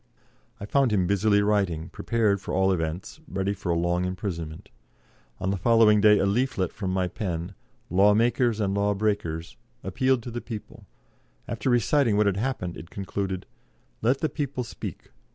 I found him busily writing, prepared for all events, ready for a long imprisonment. On the following day a leaflet from my pen, "Law Makers and Law Breakers," appealed to the people; after reciting what had happened, it concluded: "Let the people speak.